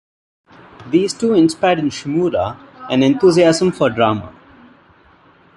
These two inspired in Shimura an enthusiasm for drama.